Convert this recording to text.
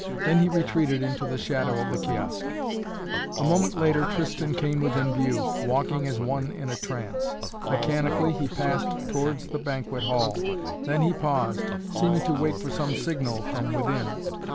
Then he retreated into the shadow of the kiosk. A moment later Tristan came within view, walking as one in a trance. Mechanically he passed towards the banquet hall. Then he paused, seeming to wait for some signal from within.